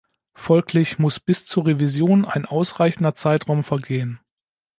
Folglich muss bis zur Revision ein ausreichender Zeitraum vergehen.